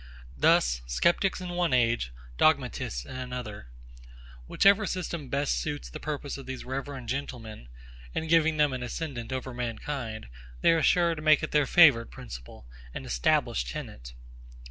Thus, sceptics in one age, dogmatists in another; whichever system best suits the purpose of these reverend gentlemen, in giving them an ascendant over mankind, they are sure to make it their favourite principle, and established tenet.